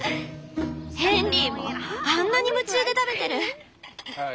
ヘンリーもあんなに夢中で食べてる。